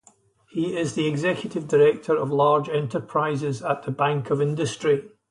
He is the Executive Director of Large Enterprises at the Bank of Industry.